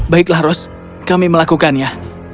baiklah rose kami melakukannya